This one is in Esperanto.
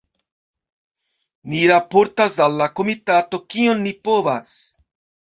Ni raportas al la komitato, kiom ni povas.